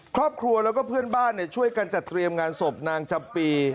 ครอบครัวแล้วก็เพื่อนบ้านช่วยกันจัดเตรียมงานศพนางจำปี